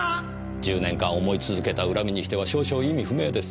１０年間思い続けた恨みにしては少々意味不明です。